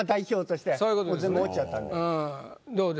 全部落ちちゃったんで。